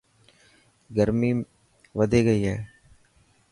گرمي وڌي گئي هي.